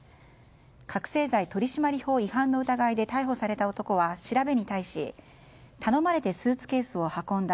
覚醒剤取締法違反の疑いで逮捕された男は調べに対し頼まれてスーツケースを運んだ。